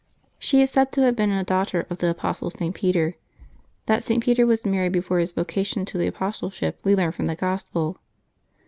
She is said to have been a daugh ter of the apostle St. Peter; that St. Peter was married before his vocation to the apostleship we learn from the Gospel.